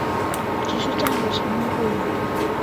只是站着沉默不语